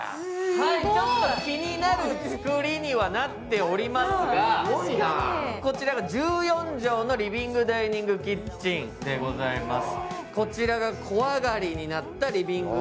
ちょっと気になる作りにはなっておりますが、こちは１４畳のリビングダイニングキッチンでございます。